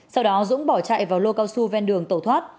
sau đó dũng bỏ chạy vào lô cao su ven đường tẩu thoát